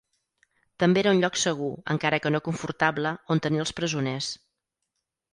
També era un lloc segur, encara que no confortable, on tenir els presoners.